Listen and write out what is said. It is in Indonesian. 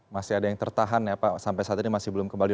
masih ada yang tertahan ya pak sampai saat ini masih belum kembali